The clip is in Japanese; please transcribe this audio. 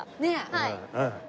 はい。